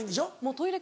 トイレ